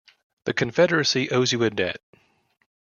The Confederacy owes you a debt.